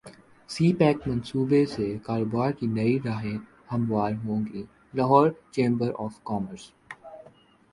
سی pack منصوبے سے کاروبار کی نئی راہیں ہموار ہوں گی لاہور چیمبر اف کامرس